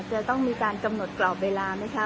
จะต้องมีการกำหนดกรอบเวลาไหมคะ